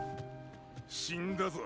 死んだぞ。